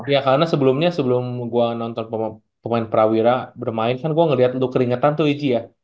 ya karena sebelumnya sebelum gue nonton pemain prawira bermain kan gue ngeliat lu keringetan tuh ici ya